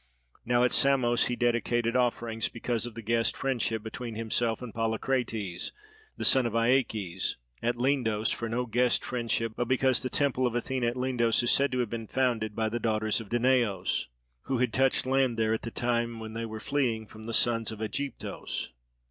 Now at Samos he dedicated offerings because of the guest friendship between himself and Polycrates the son of Aiakes; at Lindos for no guest friendship but because the temple of Athene at Lindos is said to have been founded by the daughters of Danaos, who had touched land there at the time when they were fleeing from the sons of Aigyptos.